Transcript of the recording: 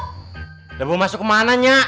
sudah mau masuk kemana nyak